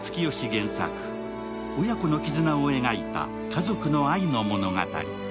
原作、親子の絆を描いた家族の愛の物語。